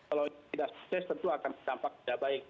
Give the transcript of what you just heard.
kalau tidak sukses tentu akan berdampak tidak baik